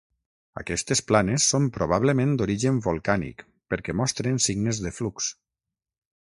Aquestes planes són probablement d'origen volcànic perquè mostren signes de flux.